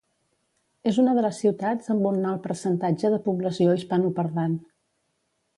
És una de les ciutats amb un alt percentatge de població hispanoparlant.